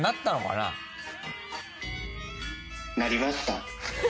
なりました。